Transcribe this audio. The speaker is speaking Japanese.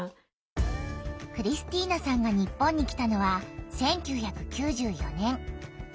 クリスティーナさんが日本に来たのは１９９４年。